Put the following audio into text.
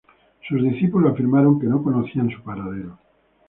Sus discípulos afirmaron que no conocían su paradero.